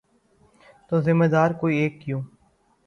تو ذمہ دار کوئی ایک کیوں؟